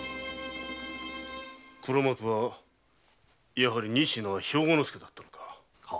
黒幕はやはり仁科兵庫介だったのか。